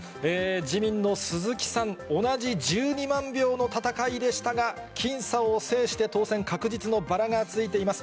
自民の鈴木さん、同じ１２万票の戦いでしたが、僅差を制して、当選確実のバラがついています。